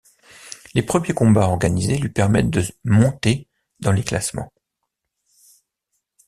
Les premiers combats organisés lui permettent de monter dans les classements.